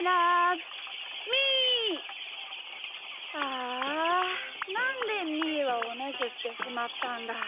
あなんでみーはおねしょしてしまったんだ。